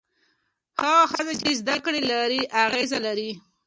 هغه ښځه چې زده کړه لري، اغېز لري.